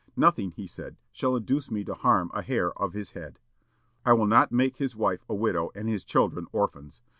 "Nothing," he said, "shall induce me to harm a hair of his head. I will not make his wife a widow and his children orphans.